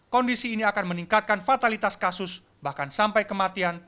kondisi ini akan meningkatkan fatalitas kasus bahkan sampai kematian